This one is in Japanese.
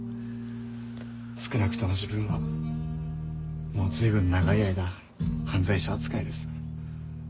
少なくとも自分はもうずいぶん長い間犯罪者扱いです。